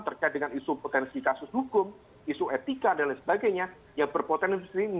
terkait dengan isu potensi kasus hukum isu etika dan lain sebagainya yang berpotensi